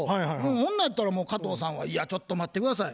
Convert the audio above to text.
ほんなんやったらもう加藤さんは「いやちょっと待って下さい。